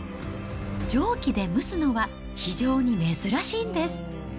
蒸気で蒸すのは非常に珍しいんです。